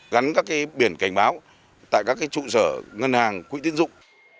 gắn các biển cảnh báo tại các trụ sở ngân hàng quỹ tiến dụng